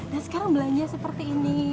dan sekarang belanja seperti ini